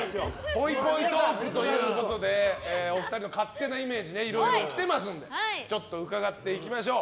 ぽいぽいトークということでお二人の勝手なイメージいろいろ来てますのでちょっと伺っていきましょう。